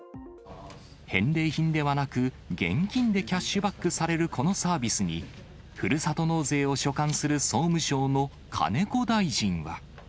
返礼品ではなく、現金でキャッシュバックされるこのサービスに、ふるさと納税を所管する総務省の金子大臣は。